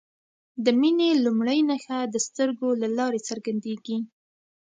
د مینې لومړۍ نښه د سترګو له لارې څرګندیږي.